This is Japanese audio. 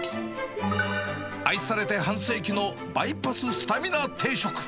愛されて半世紀のバイパススタミナ定食。